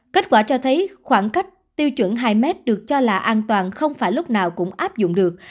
kết quả cho thấy khoảng cách tiêu chuẩn hai mét được cho là an toàn không phải lúc nào cũng áp dụng được